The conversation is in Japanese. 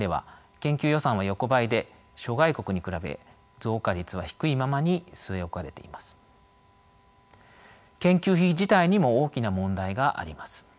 研究費自体にも大きな問題があります。